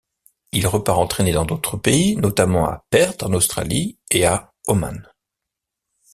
Il repart entrainer dans d'autres pays, notamment à Perth, en Australie, et à Oman.